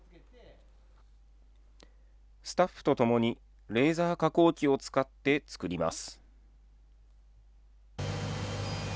スタッフと共に、レーザー加工機を使って作ります。